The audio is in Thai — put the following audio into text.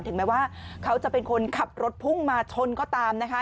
ถึงแม้ว่าเขาจะเป็นคนขับรถพุ่งมาชนก็ตามนะคะ